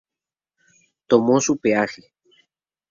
Tomó su peaje.